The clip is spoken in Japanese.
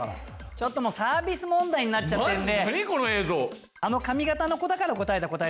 ちょっともうサービス問題になっちゃってんで。